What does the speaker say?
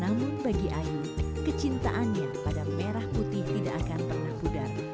namun bagi ayu kecintaannya pada merah putih tidak akan pernah pudar